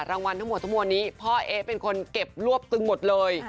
รางวัลทั้งหมดทั้งมวลนี้พ่อเอ๊ะเป็นคนเก็บรวบตึงหมดเลย